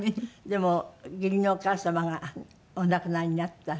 でも義理のお母様がお亡くなりになった。